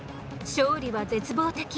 勝利は絶望的。